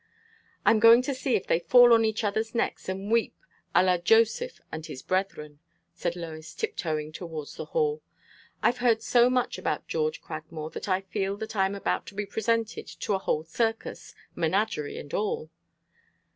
"I'm going to see if they fall on each other's necks and weep a la Joseph and his brethren," said Lois, tiptoeing towards the hall. "I've heard so much about George Cragmore, that I feel that I am about to be presented to a whole circus menagerie and all."